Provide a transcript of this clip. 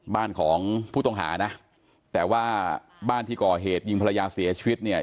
บ้านของผู้ต้องหานะแต่ว่าบ้านที่ก่อเหตุยิงภรรยาเสียชีวิตเนี่ย